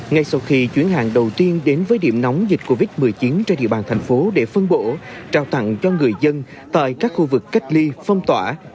ngay sau khi chuyến hàng đầu tiên đến với điểm nóng dịch covid một mươi chín trên địa bàn thành phố để phân bổ trao tặng cho người dân tại các khu vực cách ly phong tỏa